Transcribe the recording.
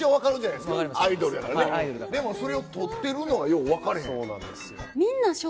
でもそれを撮ってるのがようわかれへん。